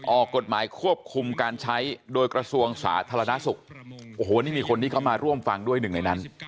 ออกกฎหมายควบคุมการใช้โดยกระทรวงสาธารณสุขโอ้โหนี่มีคนที่เขามาร่วมฟังด้วยหนึ่งในนั้น